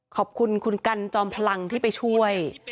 ขอบคุณคุณกันจอมพลังที่ไปช่วย